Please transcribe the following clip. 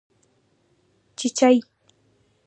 🐤چېچۍ